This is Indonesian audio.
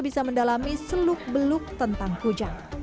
bisa mendalami seluk beluk tentang kujang